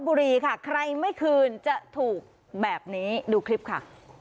บุรีค่ะใครไม่คืนจะถูกแบบนี้ดูคลิปค่ะ